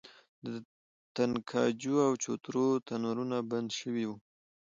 د تنګاچو او چوترو تنورونه بند شوي وو.